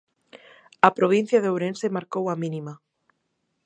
A provincia de Ourense marcou a mínima.